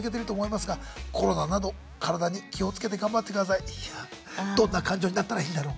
いやどんな感情になったらいいんだろう。